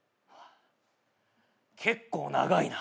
結構長いな。